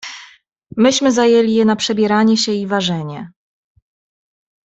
"Myśmy zajęli je na przebieranie się i ważenie."